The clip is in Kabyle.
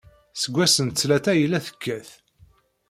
Seg wass n ttlata ay la tekkat.